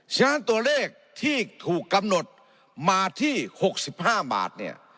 ฉะนั้นตัวเลขที่ถูกกำหนดมาที่๖๕บาทเนี่ย